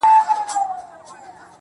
زما د زړه کوچۍ پر سپينه زنه خال وهي,